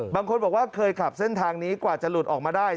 บางคนบอกว่าเคยขับเส้นทางนี้กว่าจะหลุดออกมาได้